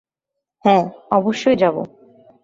হ্যাঁ, অবশ্যই যাবো।